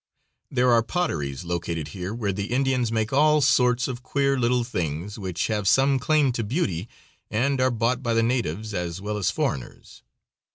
There are potteries located here where the Indians make all sorts of queer little things, which have some claim to beauty, and are bought by the natives as well as foreigners.